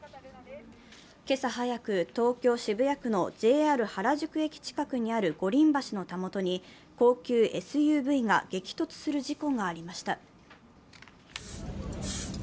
今朝早く、東京・渋谷区のＪＲ原宿駅近くにある五輪橋のたもとに高級ＳＵＶが激突する事故がありました。